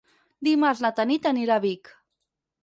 Dimarts na Tanit anirà a Vic.